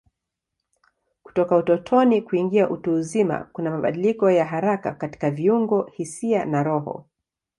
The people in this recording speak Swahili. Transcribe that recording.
Kutoka utotoni kuingia utu uzima kuna mabadiliko ya haraka katika viungo, hisia na roho.